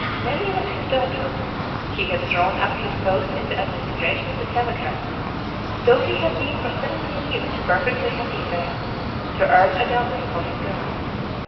Melie was his daughter. He had thrown up his post in the Administration of the Telegraphs, though he had been for seventeen years perfectly happy there, to earn a dowry for his girl.